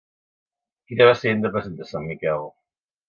Quina vestimenta presenta Sant Miquel?